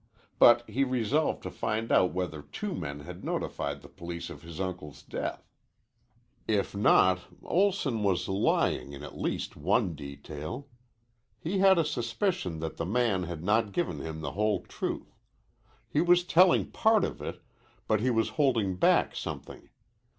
But he resolved to find out whether two men had notified the police of his uncle's death. If not, Olson was lying in at least one detail. He had a suspicion that the man had not given him the whole truth. He was telling part of it, but he was holding back something.